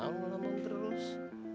mau pake mawudah mawudah mawudah